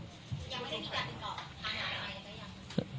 ยังเลยครับ